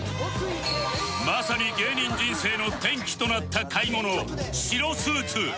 まさに芸人人生の転機となった買い物白スーツ